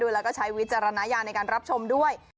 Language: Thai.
แล้วก็ใช้วิจารณญาณในการรับชมด้วย